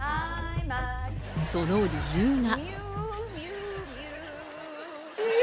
その理由が。